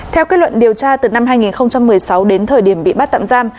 theo kết luận điều tra từ năm hai nghìn một mươi sáu đến thời điểm bị bắt tạm giam